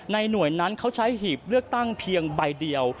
หน่วยนั้นเขาใช้หีบเลือกตั้งเพียงใบเดียว